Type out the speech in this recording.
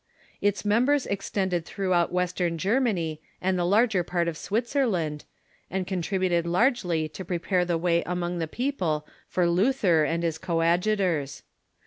Its members extended throughout western Germany and the larger i^art of Switzerland, and con trib.uted largely to prepare the way among the people for Lu ther and his coadjutors.